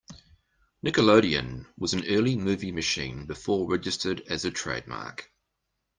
"Nickelodeon" was an early movie machine before registered as a trademark.